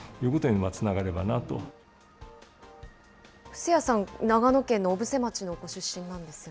布施谷さん、長野県小布施町のご出身なんですよね。